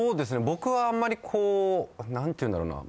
僕はあんまりこうなんて言うんだろうな。